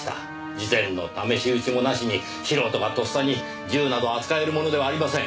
事前の試し撃ちもなしに素人がとっさに銃など扱えるものではありません。